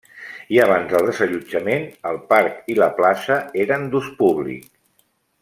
I abans del desallotjament, el parc i la plaça eren d'ús públic.